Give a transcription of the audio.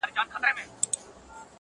خپل لویې موږک ته اوه سره بلا سوه-